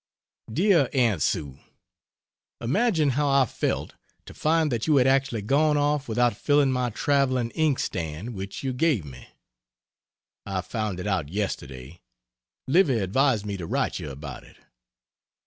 DEAR AUNT SUE, Imagine how I felt to find that you had actually gone off without filling my traveling ink stand which you gave me! I found it out yesterday. Livy advised me to write you about it.